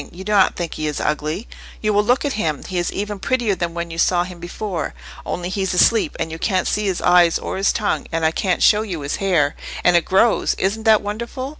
You do not think he is ugly. You will look at him. He is even prettier than when you saw him before—only he's asleep, and you can't see his eyes or his tongue, and I can't show you his hair—and it grows—isn't that wonderful?